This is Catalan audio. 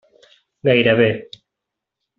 Gairebé.